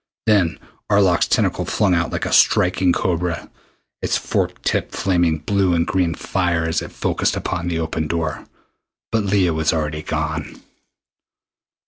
Then Arlok's tentacle flung out like a striking cobra, its forked tip flaming blue and green fire as it focussed upon the open door. But Leah was already gone.